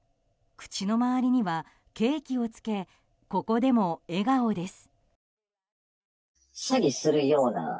口の周りにはケーキをつけここでも笑顔です。